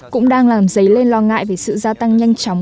cũng đang làm dấy lên lo ngại về sự gia tăng nhanh chóng